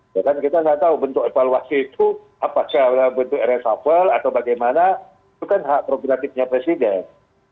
ya kan kita tidak tahu bentuk evaluasi itu apakah bentuk reshavel atau bagaimana itu kan hak prognatifnya presiden